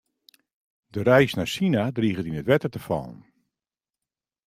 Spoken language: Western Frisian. De reis nei Sina driget yn it wetter te fallen.